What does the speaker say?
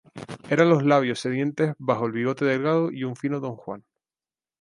Eran los labios sedientos bajo el bigote delgado y fino de Don Juan.